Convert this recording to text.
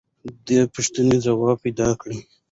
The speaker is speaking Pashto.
د دې پوښتنې ځواب پیدا کړه.